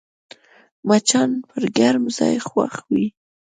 مچان پر ګرم ځای خوښ وي